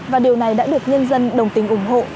và điều này đã được nhân dân đồng tình ủng hộ